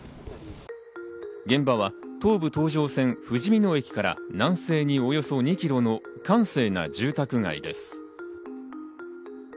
現場は東武東上線ふじみ野駅から南西におよそ２キロの閑静な住宅街です。